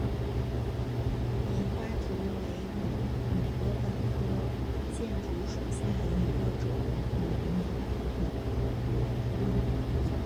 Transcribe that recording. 棉花竹为禾本科箭竹属下的一个种。